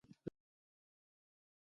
زړه د ژوند ګل دی.